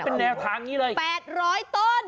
เป็นแนวทางนี้เลย๘๐๐ต้น